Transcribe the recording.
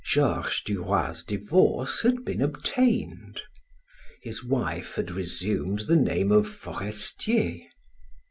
Georges du Roy's divorce had been obtained. His wife had resumed the name of Forestier.